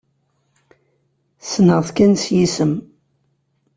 Ssneɣ-t kan s yisem.